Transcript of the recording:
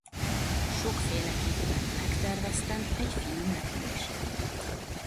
Sokféleképpen megterveztem egy fiú megölését.